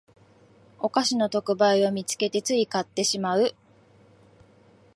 お菓子の特売を見つけてつい買ってしまう